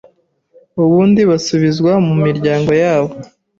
ubundi basubizwa mu miryango yabo.